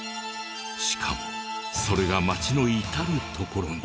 しかもそれが町の至る所に。